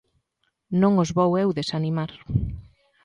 Non os vou eu desanimar.